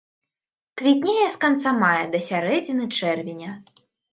Квітнее з канца мая да сярэдзіны чэрвеня.